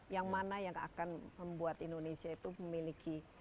yang mana yang akan membuat indonesia itu memiliki